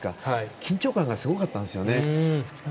緊張感がすごかったんですよね。